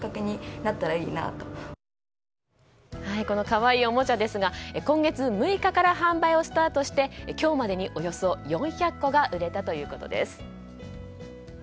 この可愛いおもちゃですが今月６日から販売をスタートして今日までにおよそ４００個が売れたということです。